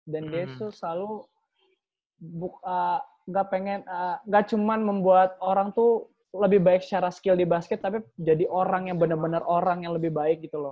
dan dia tuh selalu gak pengen gak cuman membuat orang tuh lebih baik secara skill di basket tapi jadi orang yang bener bener orang yang lebih baik gitu loh